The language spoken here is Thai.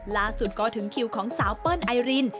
ล่าสุดก็ถึงคิวของสาวเปิ้ลไอริน